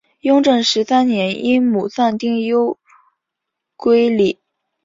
雍正十三年因母丧丁忧归里。